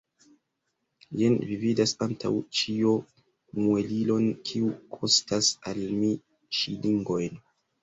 Jen vi vidas antaŭ ĉio muelilon, kiu kostas al mi ŝilingojn.